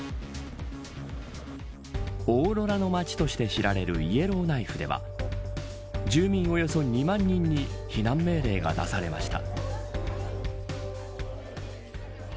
オーロラの街として知られるイエローナイフでは住民およそ２万人に避難命令が出されました。